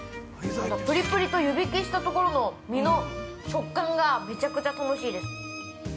プリプリと湯引きしたところの身の食感がめちゃくちゃ楽しいです。